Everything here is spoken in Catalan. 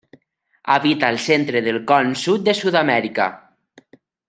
Habita el centre del Con Sud de Sud-amèrica.